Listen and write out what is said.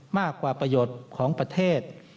มากกว่าประโยชน์ของประเทศ